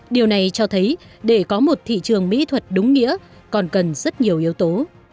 điều này cho thấy để có một thị trường mỹ thuật đúng nghĩa còn cần rất nhiều yếu tố